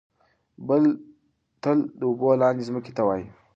بل تل د اوبو لاندې ځمکې ته وايي.